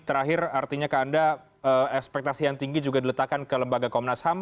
terakhir artinya ke anda ekspektasi yang tinggi juga diletakkan ke lembaga komnas ham